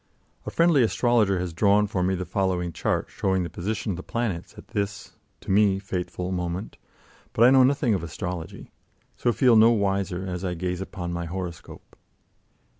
A friendly astrologer has drawn for me the following chart, showing the position of the planets at this, to me fateful, moment; but I know nothing of astrology, so feel no wiser as I gaze upon my horoscope.